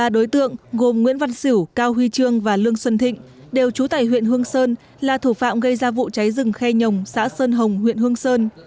ba đối tượng gồm nguyễn văn sửu cao huy trương và lương xuân thịnh đều trú tại huyện hương sơn là thủ phạm gây ra vụ cháy rừng khe nhồng xã sơn hồng huyện hương sơn